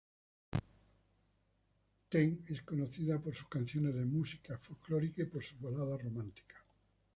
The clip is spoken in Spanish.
Teng es conocida por sus canciones de música folclórica y por sus baladas románticas.